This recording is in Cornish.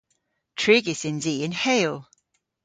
Trigys yns i yn Heyl.